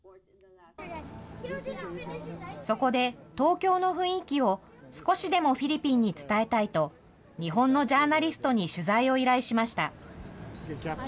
そこで、東京の雰囲気を少しでもフィリピンに伝えたいと、日本のジャーナリストに取材を依頼しました。